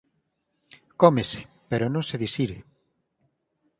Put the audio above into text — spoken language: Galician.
Cómese, pero non se dixire.